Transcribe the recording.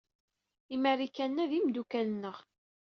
Imarikanen-a d imdukal-nneɣ.